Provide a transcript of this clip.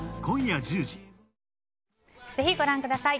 ぜひご覧ください。